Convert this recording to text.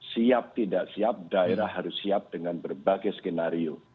siap tidak siap daerah harus siap dengan berbagai skenario